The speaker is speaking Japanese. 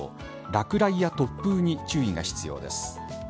落雷や突風に注意が必要です。